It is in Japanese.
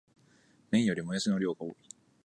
麺よりもやしの量が多い